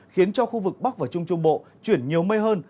khiến cho khu vực bắc và trung trung bộ chuyển nhiều mây hơn